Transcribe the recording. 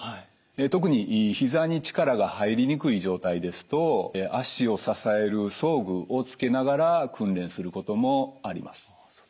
特に膝に力が入りにくい状態ですと脚を支える装具をつけながら訓練することもあります。